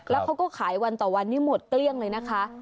แล้วเขาก็ขายวันต่อวันนี้หมดเกลี้ยงเลยนะคะ